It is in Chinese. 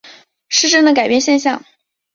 失真的改变现象。